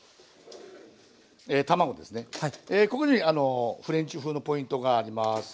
ここにフレンチ風のポイントがあります。